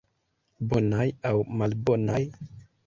Bonaj aŭ malbonaj?